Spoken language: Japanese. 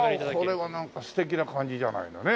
これはなんか素敵な感じじゃないのねえ。